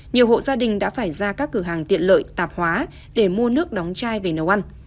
nhiều hộ gia đình đã phải ra các cửa hàng tiện lợi tạp hóa để mua nước đóng chai về nấu ăn